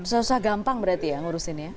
susah susah gampang berarti ya ngurusin ya